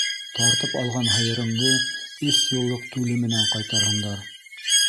Тартып алған һыйырыңды өс йыллыҡ түле менән ҡайтарһындар.